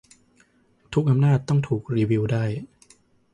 ทุกอำนาจต้องถูกรีวิวได้